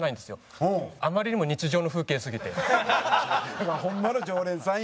だからホンマの常連さんや。